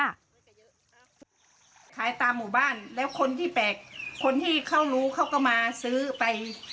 ขายตามหมู่บ้านแล้วคนที่แปลกคนที่เขารู้เขาก็มาซื้อไป